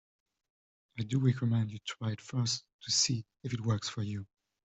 I do recommend you try it first to see if it works for you.